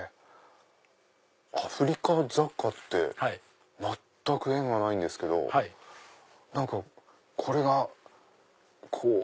アフリカ雑貨って全く縁がないんですけど何かこれがこう。